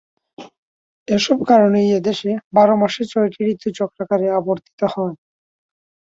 এসব কারণেই এদেশে বারো মাসে ছয়টি ঋতু চক্রাকারে আবর্তিত হয়।